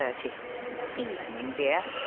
Evening beer, 6.